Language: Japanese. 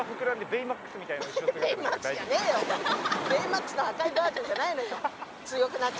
ベイマックスの赤いバージョンじゃないのよ強くなっちゃった。